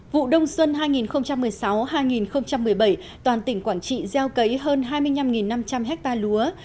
vụ đông xuân hai nghìn một mươi sáu hai nghìn một mươi bảy toàn tỉnh quảng trị gieo cấy hơn hai mươi năm năm trăm linh ha lúa